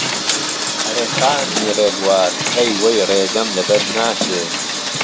ئهرێ خانمی رێبوار، ئهی وهی رێگهم له بهر ناچێ